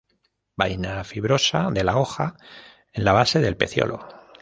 Vaina fibrosa de la hoja en la base del peciolo.